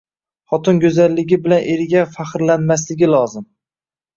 Xotin go‘zalligi bilan eriga faxrlanmasligi lozim.